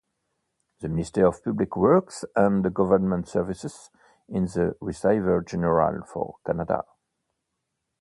The Minister of Public Works and Government Services is the Receiver General for Canada.